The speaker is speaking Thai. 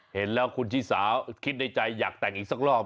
เห็นแล้วคุณชิสาคิดในใจอยากแต่งอีกสักรอบ